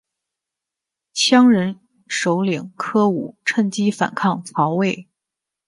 羌人首领柯吾趁机反抗曹魏。